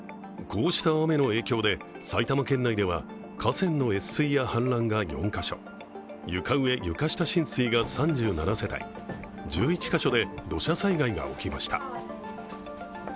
こうした雨の影響で埼玉県内では河川の越水や氾濫が４カ所床上・床下浸水が３７世帯、１１カ所で土砂災害が起きました。